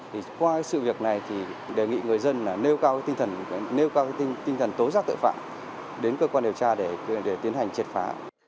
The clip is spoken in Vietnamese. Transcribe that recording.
thì qua sự việc này thì đề nghị người dân nêu cao tinh thần tối giác tội phạm đến cơ quan điều tra để tiến hành triệt phá